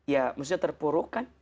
ya maksudnya terpurukan